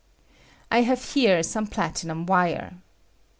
I have here some platinum wire.